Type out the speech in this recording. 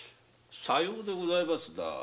さようでございますなぁ